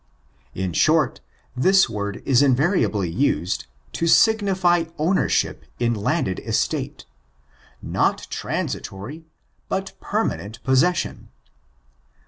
In short, this word is invariably used, to signify ownership in landed estate — not transitory but permanent possession.